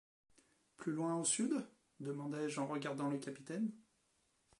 Plus loin au sud ? demandai-je en regardant le capitaine.